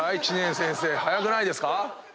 知念先生早くないですか？